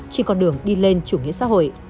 trên con đường đi lên chủ nghĩa xã hội